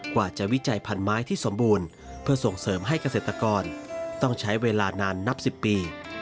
กว่าจะวิจัยพันไม้ที่สมบูรณ์เพื่อส่งเสริมให้เกษตรกรต้องใช้เวลานานนับ๑๐ปี